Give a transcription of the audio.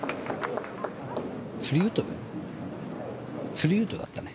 ３ウッドだったね。